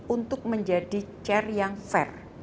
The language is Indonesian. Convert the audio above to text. untuk menjadi chair yang fair